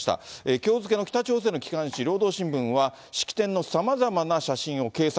きょう付けの北朝鮮の機関紙、労働新聞は式典のさまざまな写真を掲載。